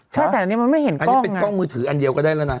ใช่แต่อันนี้มันไม่เห็นกันอันนี้เป็นกล้องมือถืออันเดียวก็ได้แล้วนะ